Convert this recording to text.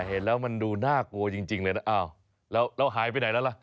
เห็นแล้วมันดูน่ากลัวจริงเลยนะอ้าวแล้วหายไปไหนแล้วล่ะ